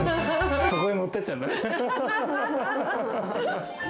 そこへ持っていっちゃうんだ。